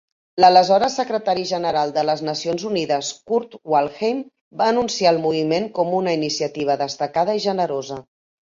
L'aleshores secretari general de les Nacions Unides Kurt Waldheim va anunciar el moviment com una iniciativa destacada i generosa.